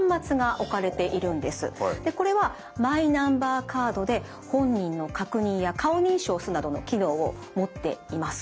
これはマイナンバーカードで本人の確認や顔認証をするなどの機能を持っています。